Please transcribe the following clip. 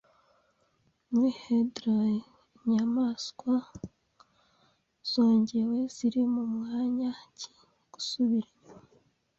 Muri heraldry inyamanswa zongewe ziri mumwanya ki Gusubira inyuma